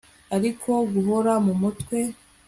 Ariko guhora mu mutwe